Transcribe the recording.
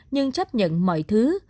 nhưng chấp nhận mọi thứ